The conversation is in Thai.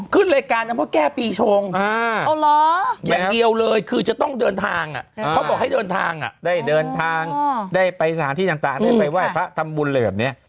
ข้าชาพาไปดู